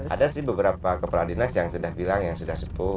ada sih beberapa kepala dinas yang sudah bilang yang sudah sepuh